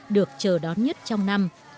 được chờ đón nhất trong năm